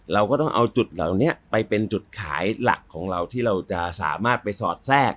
เราก็ต้องเอาจุดเหล่านี้ไปเป็นจุดขายหลักของเราที่เราจะสามารถไปสอดแทรก